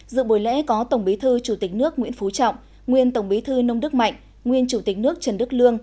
dự buổi lễ có tổng bí thư chủ tịch nước nguyễn phú trọng nguyên tổng bí thư nông đức mạnh nguyên chủ tịch nước trần đức lương